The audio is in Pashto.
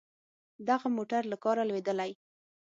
دغه موټر له کاره لوېدلی.